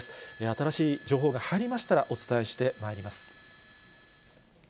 新しい情報が入りましたら、お伝えしてまいります。